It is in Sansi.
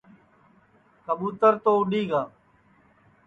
کٻُُوتر تو اُڈؔی گا